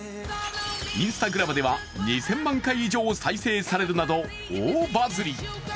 Ｉｎｓｔａｇｒａｍでは２０００万回以上再生されるなど大バズり。